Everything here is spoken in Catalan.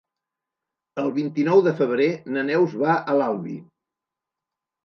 El vint-i-nou de febrer na Neus va a l'Albi.